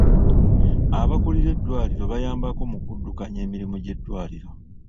Abakulira eddwaliro bayambako mu kuddukanya emirimu gy'eddwaliro.